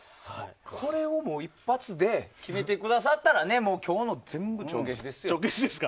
これを一発で決めてくださったら今日の全部、帳消しですよ。